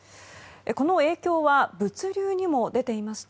この影響は物流にも出ていまして